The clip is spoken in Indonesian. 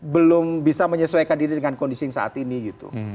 belum bisa menyesuaikan diri dengan kondisi yang saat ini gitu